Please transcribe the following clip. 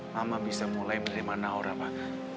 mama bisa mulai menerima naura pak